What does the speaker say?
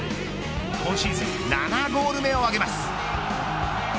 今シーズン７ゴール目を挙げます。